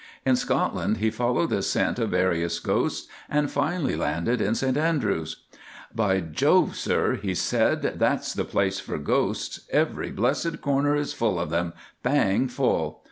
In Scotland he followed the scent of various ghosts, and finally landed in St Andrews. "By Jove, sir," he said, "that's the place for ghosts. Every blessed corner is full of them—bang full.